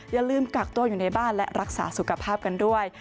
อย่าลืมกักตัวอยู่ในบ้านและรักษาสุขภาพกันด้วย